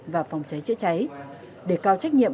và phòng cháy trễ cháy để cao trách nhiệm